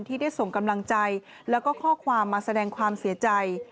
ที่ได้ส่งกำลังใจแล้วก็ข้อความมาแสดงความเสียใจ